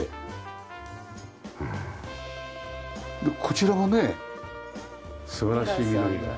でこちらがね素晴らしい緑が。